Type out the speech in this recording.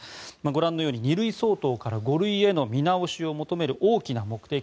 ご覧のように２類相当から５類への見直しを求める大きな目的